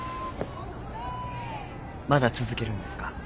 まだ続けるんですか？